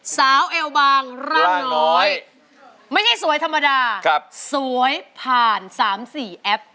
เอวบางร่างน้อยไม่ใช่สวยธรรมดาสวยผ่าน๓๔แอป